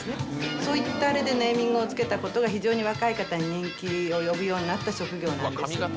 そういったあれでネーミングをつけたことが、非常に若い方に人気を呼ぶようになった職業なんです。